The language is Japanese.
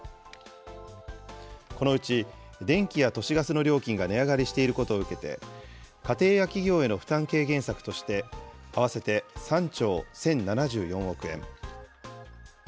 このうち、電気や都市ガスの料金が値上がりしていることを受けて、家庭や企業への負担軽減策として、合わせて３兆１０７４億円。